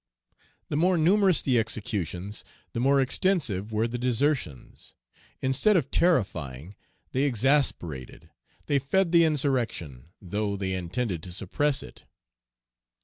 The more numerous the executions, the more extensive were the desertions. Instead of terrifying, they exasperated; they fed the insurrection, though they intended to suppress it.